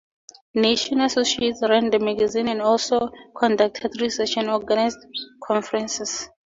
Nation Associates ran the magazine and also conducted research and organized conferences.